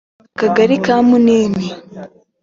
akagari ka Munini